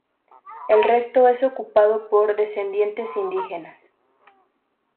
El resto es ocupado por descendientes de indígenas.